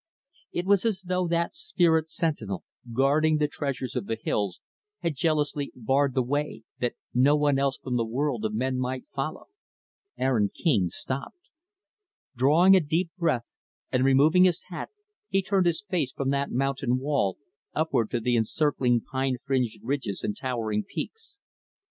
It was as though that spirit sentinel, guarding the treasures of the hills, had jealously barred the way, that no one else from the world of men might follow. Aaron King stopped. Drawing a deep breath, and removing his hat, he turned his face from that mountain wall, upward to the encircling pine fringed ridges and towering peaks.